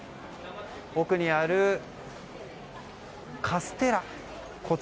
奥にあるカステラ。